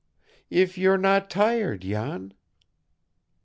"If you're not tired, Jan."